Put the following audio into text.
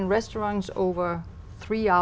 trong những khu vực đó